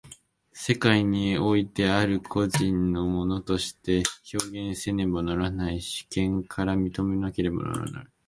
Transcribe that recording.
世界においてある個人の物として表現せられねばならない、主権から認められなければならない。